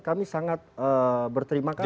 kami sangat berterima kasih